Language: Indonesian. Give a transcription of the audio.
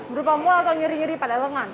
berupa mual atau nyiri nyiri pada lengan